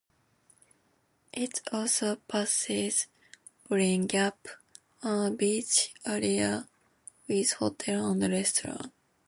It also passes Birling Gap, a beach area with hotel and restaurant.